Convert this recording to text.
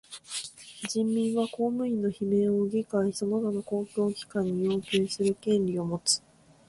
人民は公務員の罷免を議会その他の公共機関に要求する権利をもつ。